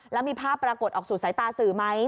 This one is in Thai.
แล้วมีภาพประกดออกสูตรสายตาศึกไหม